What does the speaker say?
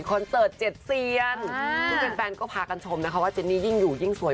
เสิร์ตเจ็ดเซียนซึ่งแฟนก็พากันชมนะคะว่าเจนนี่ยิ่งอยู่ยิ่งสวย